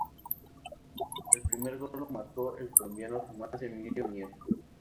El primer gol lo marcó el colombiano Tomás Emilio Mier.